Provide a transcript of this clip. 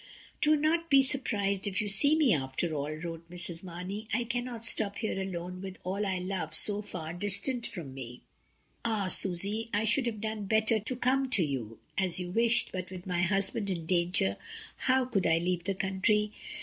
"Do not be surprised if you see me after all," wrote Mrs. Marney. "I cannot stop here alone with all I love so far distant from me. Ah! Susy, I should have done better to come to you, as you wished, but with my husband in danger how could I leave the country?"